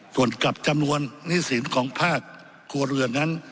ส่วนกับจำนวนหนี้สินของภาคครัวเรือนนั้น